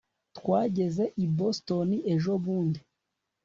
twageze i boston ejobundi